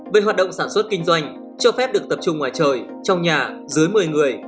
về hoạt động sản xuất kinh doanh cho phép được tập trung ngoài trời trong nhà dưới một mươi người